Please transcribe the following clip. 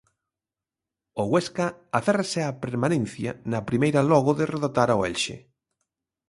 O Huesca aférrase á permanencia na primeira logo de derrotar o Elxe.